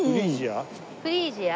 フリージア？